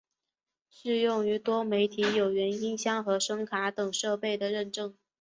适用于多媒体有源音箱和声卡等设备的认证。